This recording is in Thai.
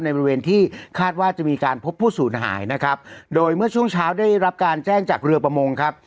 บริเวณที่คาดว่าจะมีการพบผู้สูญหายนะครับโดยเมื่อช่วงเช้าได้รับการแจ้งจากเรือประมงครับ